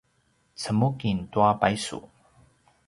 cemuking tua paysu